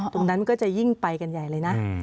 มันก็จะยิ่งไปกันใหญ่เลยนะ